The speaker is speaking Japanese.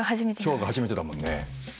今日が初めてだもんね。